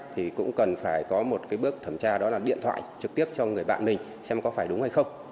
thì cũng cần phải có một cái bước thẩm tra đó là điện thoại trực tiếp cho người bạn mình xem có phải đúng hay không